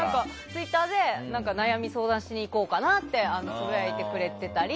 ツイッターで悩み相談しに行こうかなってつぶやいてくれていたり。